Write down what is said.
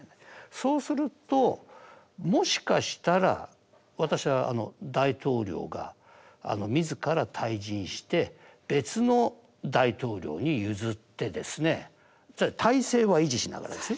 そうするともしかしたら私は大統領がみずから退陣して別の大統領に譲ってですね体制は維持しながらですよ。